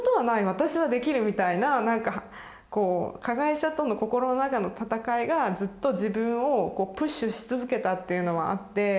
私はできるみたいななんかこう加害者との心の中の闘いがずっと自分をプッシュし続けたっていうのはあって。